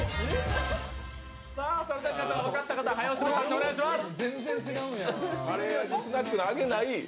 それでは皆さん、分かった方、早押しボタンでお願いします。